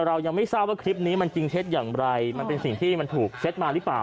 เรายังไม่ทราบว่าคลิปนี้มันจริงเท็จอย่างไรมันเป็นสิ่งที่มันถูกเซ็ตมาหรือเปล่า